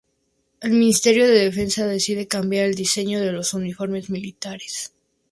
El Ministerio de Defensa decide cambiar el diseño de los uniformes militares.